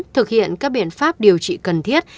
thực hiện các biện pháp điều trị cần thiết